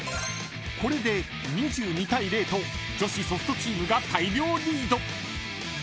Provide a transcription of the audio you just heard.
［これで２２対０と女子ソフトチームが大量リード］